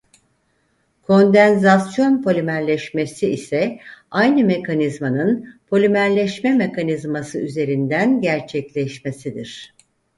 Kondenzasyon polimerleşmesi ise aynı mekanizmanın polimerleşme mekanizması üzerinden gerçekleşmesidir.